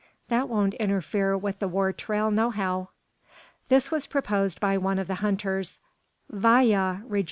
That won't interfere with the war trail nohow." This was proposed by one of the hunters. "Vaya!"